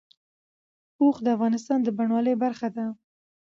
اوښ د افغانستان د بڼوالۍ برخه ده.